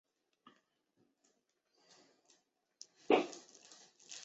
英国是最早建造铁路的国家。